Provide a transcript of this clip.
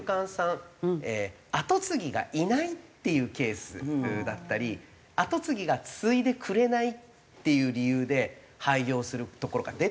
後継ぎがいないっていうケースだったり後継ぎが継いでくれないっていう理由で廃業する所が出てるんですね。